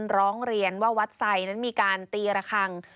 ร้องเรียนว่าวัดไซดนั้นมีการตีระคัง